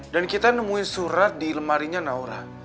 dan kita nemuin surat di lemarinya naura